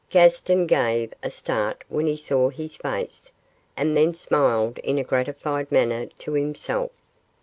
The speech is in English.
Gaston gave a start when he saw his face, and then smiled in a gratified manner to himself.